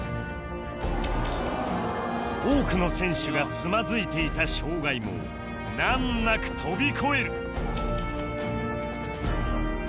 多くの選手がつまずいていた障害も難なく跳び越える！